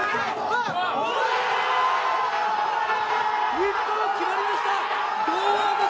日本決まりました、堂安だ！